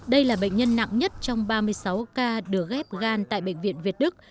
đây là bệnh nhân nặng nhất trong ba mươi sáu ca được ghép gan tại bệnh viện việt đức